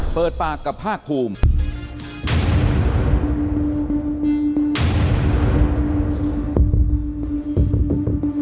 เปิดปากกับภาคภูมิ